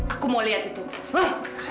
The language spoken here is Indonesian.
aku mau lihat itu